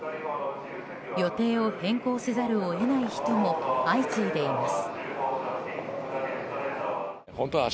予定を変更せざるを得ない人も相次いでいます。